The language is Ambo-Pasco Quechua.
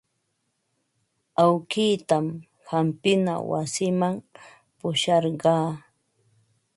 Awkiitan hampina wasiman pusharqaa.